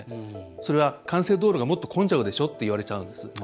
それは幹線道路がもっと混んじゃうでしょと言われちゃうんです。